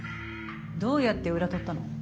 どうやって裏とったの？